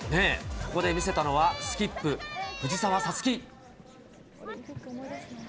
ここで見せたのはスキップ、藤澤五月。